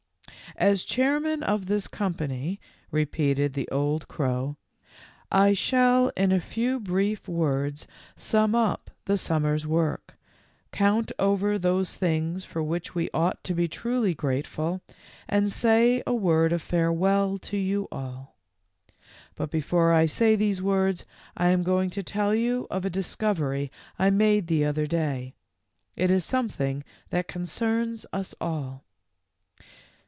"As chairman of this company," repeated the old crow, " I shall in a few brief words sum up the summer's work, count over those things for which we ought to be truly grate ful, and say a word of farewell to you all. But before I say these words I am going to tell you of a discovery I made the other day. It is something that concerns us all."